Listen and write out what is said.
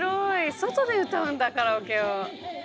外で歌うんだカラオケを。